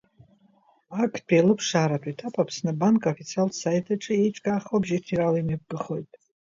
Актәи алыԥшааратә етап Аԥсны Абанк аофициалтә саит аҿы еиҿкаахо абжьыҭирала имҩаԥгахоит.